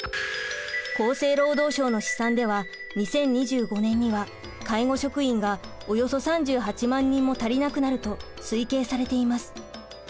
厚生労働省の試算では２０２５年には介護職員がおよそ３８万人も足りなくなると推計されています。